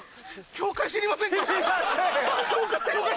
教会知りませんか？